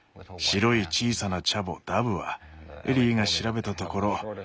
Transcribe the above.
白い小さなチャボダブはエリーが調べたところ